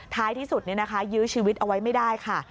ท้ายที่สุดยื้อชีวิตเอาไว้ไม่ได้ค่ะ